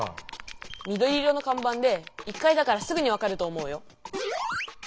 みどり色のかんばんで１かいだからすぐに分かると思うよ。